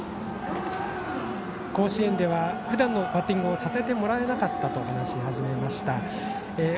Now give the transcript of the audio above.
甲子園ではふだんのバッティングをさせてもらえなかったと話し始めました。